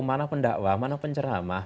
mana pendakwa mana penceramah